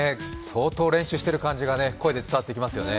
相当練習している感じが声で伝わってきますよね。